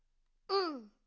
うん。